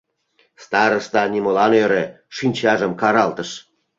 Староста нимолан ӧрӧ, шинчажым каралтыш.